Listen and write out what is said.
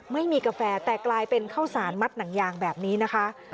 ไม่มีกาแฟแต่กลายเป็นข้าวสารมัดหนังยางแบบนี้นะคะ